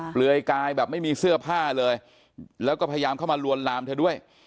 เปลือยกายแบบไม่มีเสื้อผ้าเลยแล้วก็พยายามเข้ามาลวนลามเธอด้วย